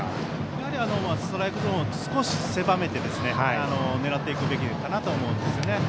やはりストライクゾーンを少し狭めて狙っていくべきかなとは思うんですよね。